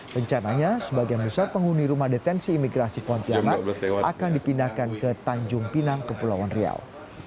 rencananya sebagian besar penghuni rumah detensi imigrasi pontianak akan dipindahkan ke tanjung pinang kepulauan riau